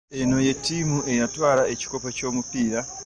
Eno ye ttiimu eyatwala ekikopo ky'omupiira.